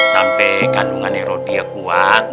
sampai kandungan erodia kuat